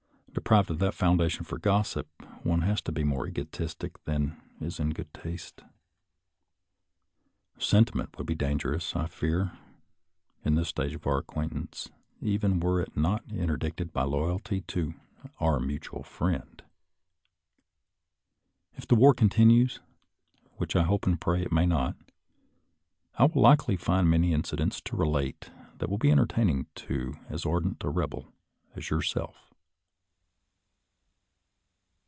Deprived of that foundation for gossip, one has to be more egotistic than is in good taste. Sentiment would be dangerous, I fear, in this 22 SOLDIER'S LETTERS TO CHARMING NELLIE stage of our acquaintance, even were it not inter dicted by loyalty to " our mutual friend." If the war continues — ^which I hope and pray it may not — I will likely find many incidents to relate that will be entertaining to as ardent a Eebel as yourself.